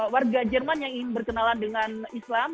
warga jerman yang ingin berkenalan dengan islam